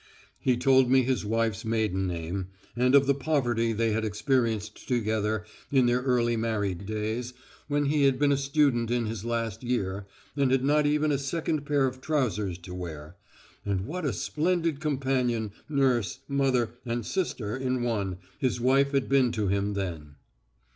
He told me his wife's maiden name, and of the poverty they had experienced together in their early married days, when he had been a student in his last year, and had not even a second pair of trousers to wear, and what a splendid companion, nurse, mother, and sister in one, his wife had been to him then.